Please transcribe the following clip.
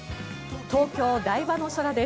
東京・台場の空です。